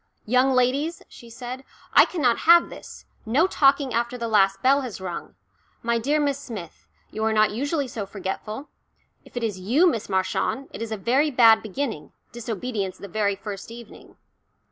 "Young ladies," she said, "I cannot have this. No talking after the last bell has rung. My dear Miss Smith, you are not usually so forgetful. If it is you, Miss Marchant, it is a very bad beginning, disobedience the very first evening."